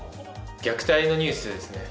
虐待のニュースですね。